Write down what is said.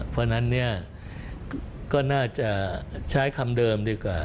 เพราะฉะนั้นเนี่ยก็น่าจะใช้คำเดิมดีกว่า